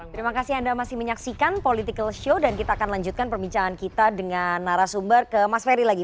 terima kasih anda masih menyaksikan political show dan kita akan lanjutkan perbincangan kita dengan narasumber ke mas ferry lagi